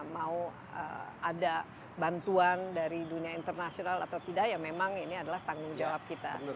mau ada bantuan dari dunia internasional atau tidak ya memang ini adalah tanggung jawab kita